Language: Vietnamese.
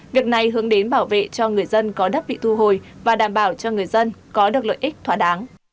ngược này hướng đến bảo vệ cho người dân có đáp vị thu hồi và đảm bảo cho người dân có được lợi ích thỏa đáng